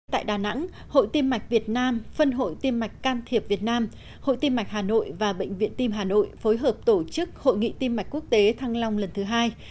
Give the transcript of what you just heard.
tại đà nẵng hội tiêm mạch việt nam phân hội tiêm mạch can thiệp việt nam hội tiêm mạch hà nội và bệnh viện tim hà nội phối hợp tổ chức hội nghị tim mạch quốc tế thăng long lần thứ hai